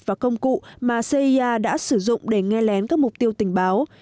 và công cụ mà cia đã sử dụng để nghe lén các mục tiêu tình báo